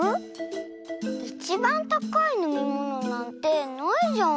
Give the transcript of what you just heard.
いちばんたかいのみものなんてないじゃん。